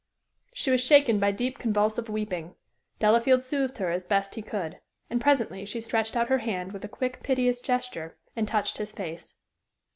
She was shaken by deep, convulsive weeping. Delafield soothed her as best he could. And presently she stretched out her hand with a quick, piteous gesture, and touched his face.